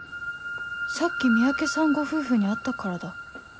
さっき三宅さんご夫婦に会ったからだ